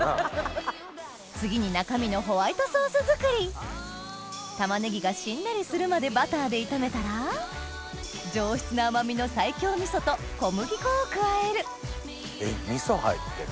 次に中身のホワイトソース作り玉ねぎがしんなりするまでバターで炒めたら上質な甘みの西京みそと小麦粉を加えるみそ入ってる。